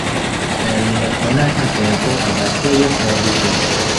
En nekonata tempo abatejo fondiĝis.